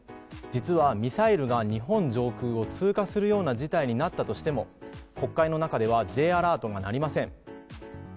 実はミサイルが日本上空を通過するような事態になったとしても、国会の中ではＪアラートが鳴りません。